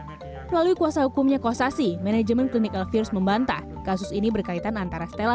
melalui kuasa hukumnya kostasi manajemen klinik virus membantah kasus ini berkaitan antara stella